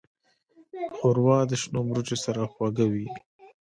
ښوروا د شنو مرچو سره خوږه وي.